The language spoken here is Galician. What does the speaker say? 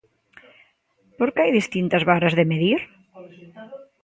Porque hai distintas varas de medir?